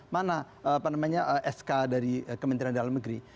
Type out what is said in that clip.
mana apa namanya sk dari kementerian dalam negeri